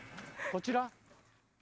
こちら？